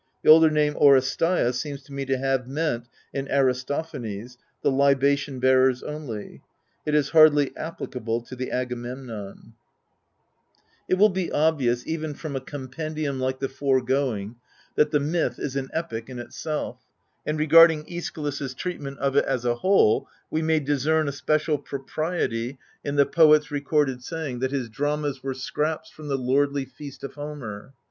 The older name Oresteia seems to me to have meant, in Aristophanes (/>v/j, 1124), The Libation Bearers only: it Is hardly applicable to the Agamemnon, PREFACE XV the foregoing, that the myth is an epic in itself: and regarding ^schylus' treatment of it as a wholej we may discern a special propriety in the poet's recorded saying, that his dramas were " scraps from the lordly feast of Homer."